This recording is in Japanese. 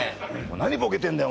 「何ボケてんだよ